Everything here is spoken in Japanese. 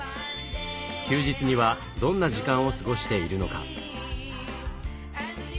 休日にはどんな時間を過ごしているのか？